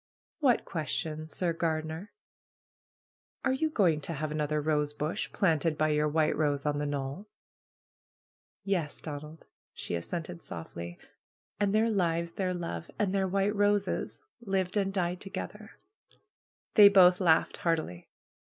"What question, Sir Gardener?" "Are you going to have another rosebush planted by your white rose on the knoll?" "Yes, Donald!" she assented softly. "And their lives, their love, and their white roses, lived and died ttrgetheir' !" They both laughed happily.